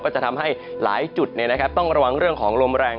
จะทำให้หลายจุดต้องระวังเรื่องของลมแรง